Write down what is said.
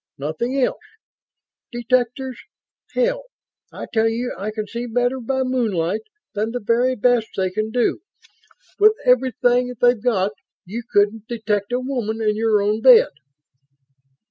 Nothing else. Detectors hell! I tell you I can see better by moonlight than the very best they can do. With everything they've got you couldn't detect a woman in your own bed!"